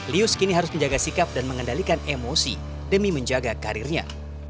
lius kini harus menjaga sikap dan mengendalikan emosi demi menjaga karirnya